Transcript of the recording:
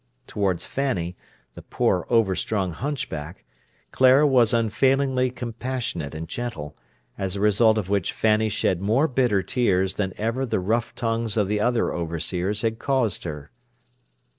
Towards Fanny, the poor, overstrung hunchback, Clara was unfailingly compassionate and gentle, as a result of which Fanny shed more bitter tears than ever the rough tongues of the other overseers had caused her.